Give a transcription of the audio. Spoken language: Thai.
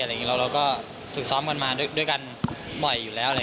เราก็ฝึกซ้อมกันมาด้วยกันบ่อยอยู่แล้ว